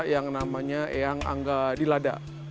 disini ada yang namanya yang angga di lade